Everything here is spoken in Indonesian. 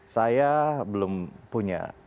saya belum punya